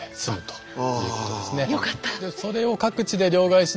よかった！